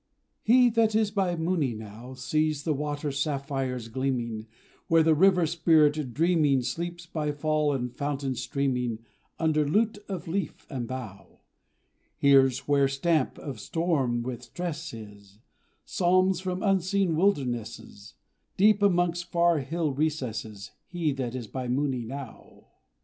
He that is by Mooni now Sees the water sapphires gleaming Where the River Spirit, dreaming, Sleeps by fall and fountain streaming Under lute of leaf and bough Hears, where stamp of storm with stress is, Psalms from unseen wildernesses Deep amongst far hill recesses He that is by Mooni now.